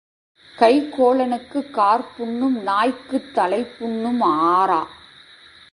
கைக்கோளனுக்குக் காற்புண்ணும் நாய்க்குத் தலைப்புண்ணும் ஆறா.